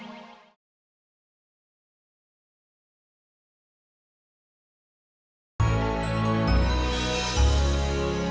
kau bisa jaga diri